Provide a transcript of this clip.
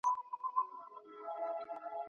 موږ ښه ماشومان یو.